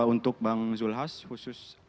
untuk bang zulhas khusus